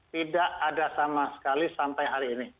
tidak ada sama sekali sampai hari ini